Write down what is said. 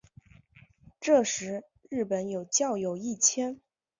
这时日本有教友一千。